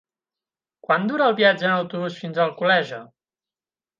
Quant dura el viatge en autobús fins a Alcoleja?